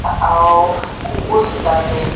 پردي يې نه جوړوي.